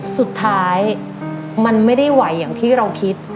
สุดท้ายมันไม่ได้ไหวอย่างที่เราคิด